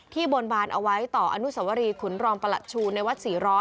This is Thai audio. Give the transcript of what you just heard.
บนบานเอาไว้ต่ออนุสวรีขุนรองประหลัดชูในวัด๔๐๐